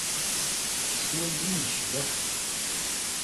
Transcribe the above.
S wallen n ccbaḥa.